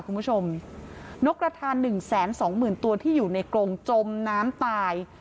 คุณผู้ชมนกกระทานหนึ่งแสนสองหมื่นตัวที่อยู่ในกรงจมน้ำตาย